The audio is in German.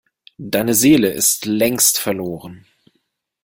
Deine Seele ist längst verloren.